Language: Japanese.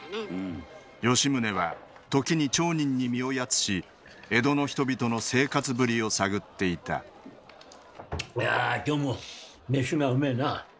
吉宗は時に町人に身をやつし江戸の人々の生活ぶりを探っていたいや今日も飯がうめえな。